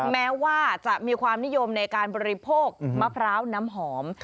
แม้ว่าจะมีความนิยมในการบริโภคมะพร้าวน้ำหอม